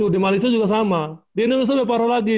di malaysia juga sama di indonesia beberapa lagi